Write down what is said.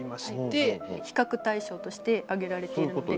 比較対象として挙げられているので。